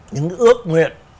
những ước nguyện